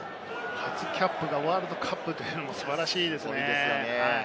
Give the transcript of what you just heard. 初キャップがワールドカップというのも素晴らしいですよね。